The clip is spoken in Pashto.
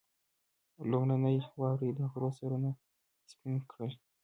لومړنۍ واورې د غرو سرونه سپين کړل.